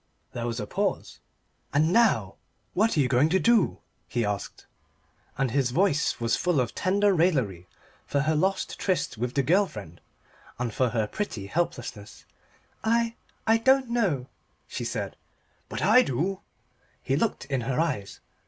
There was a pause. "And now, what are you going to do?" he asked, and his voice was full of tender raillery for her lost tryst with the girl friend, and for her pretty helplessness. "I I don't know," she said. "But I do!" he looked in her eyes.